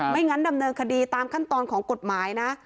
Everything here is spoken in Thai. งั้นดำเนินคดีตามขั้นตอนของกฎหมายนะ